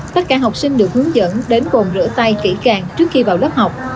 tất cả học sinh được hướng dẫn đến bồn rửa tay kỹ càng trước khi vào lớp học